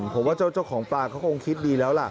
ผมว่าเจ้าของปลาเขาคงคิดดีแล้วล่ะ